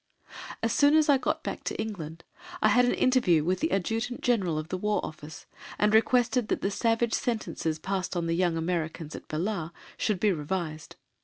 As soon as I got back to England, I had an interview with the Adjutant General at the War Office, and requested that the savage sentences passed on the young Americans at Belah should be revised.